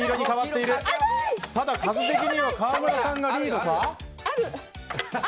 ただ数的には川村さんがリードか。